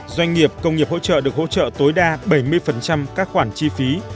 doanh nghiệp công nghiệp hỗ trợ được hỗ trợ tối đa bảy mươi các khoản chi phí